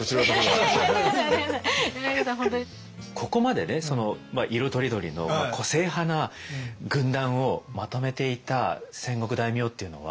ここまでね色とりどりの個性派な軍団をまとめていた戦国大名っていうのは。